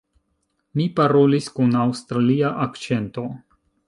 Mi parolis kun aŭstralia akĉento.